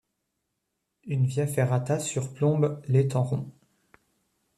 Une via ferrata surplombe l'étang Rond.